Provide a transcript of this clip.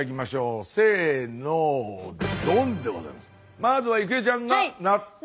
まずは郁恵ちゃんが納豆。